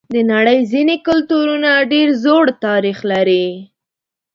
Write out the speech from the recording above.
د نړۍ ځینې کلتورونه ډېر زوړ تاریخ لري.